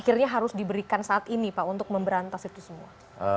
akhirnya harus diberikan saat ini pak untuk memberantas itu semua